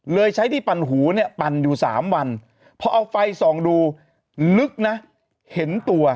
ใช้ที่ปั่นหูเนี่ยปั่นอยู่๓วันพอเอาไฟส่องดูลึกนะเห็นตัว